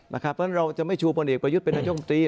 เพราะฉะนั้นเราจะไม่ชูพลเอกประยุทธ์เป็นนายมตรี